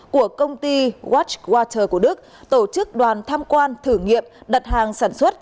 của công ty watch water của đức tổ chức đoàn tham quan thử nghiệm đặt hàng sản xuất